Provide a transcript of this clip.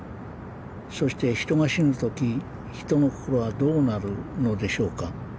そして人が死ぬ時人の心はどうなるのでしょうか。